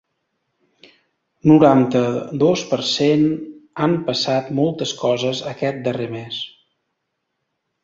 Noranta-dos per cent Han passat moltes coses aquest darrer mes.